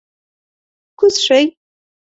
کوز شئ!